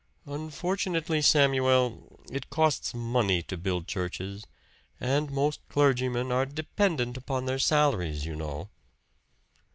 "Unfortunately, Samuel, it costs money to build churches; and most clergymen are dependent upon their salaries, you know."